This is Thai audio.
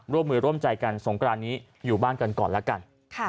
ร่วมมือร่วมใจกันสงกรานนี้อยู่บ้านกันก่อนแล้วกัน